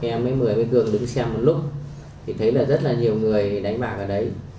em mới mời với cường đứng xem một lúc thì thấy là rất là nhiều người đánh bạc ở đấy